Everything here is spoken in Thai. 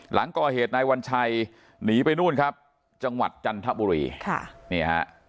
หลังก่อเหตุนายวัญชัยหนีไปนู่นครับจังหวัดจันทบุรีค่ะนี่ฮะ